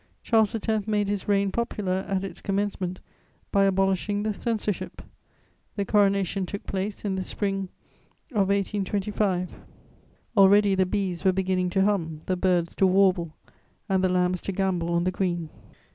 Charles X. made his reign popular at its commencement by abolishing the censorship; the coronation took place in the spring of 1825. "Already the bees were beginning to hum, the birds to warble, and the lambs to gambol on the green."